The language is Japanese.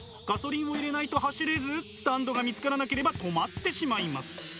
ガソリンを入れないと走れずスタンドが見つからなければ止まってしまいます。